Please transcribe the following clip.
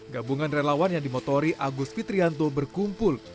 gabungan relawan yang dimotori agus fitrianto berkumpul